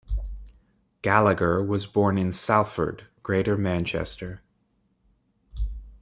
Gallagher was born in Salford, Greater Manchester.